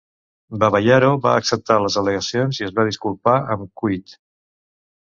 Babayaro va acceptar les al·legacions i es va disculpar amb Kuyt.